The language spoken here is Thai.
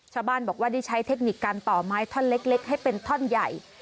ชาวบ้านบอกว่าได้ใช้เทคนิคการต่อไม้ท่อนเล็กให้เป็นท่อนใหญ่